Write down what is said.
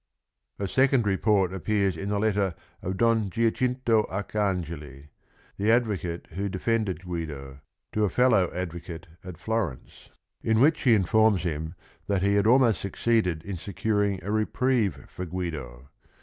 A second report appears in a letter of Don Giacinto Arcangeli, the advocate who defended Guido, to a fellow advocate at Florence, in which THE BOOK AND THE RING 205 he informs him that he had almost succeeded in securing a reprieve for Guido.